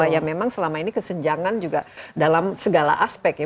karena sepanjang masa ini kesenjangan juga dalam segala aspek ya